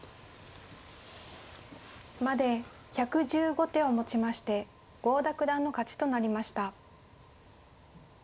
まで１１５手をもちまして郷田九段の勝ちとなりました。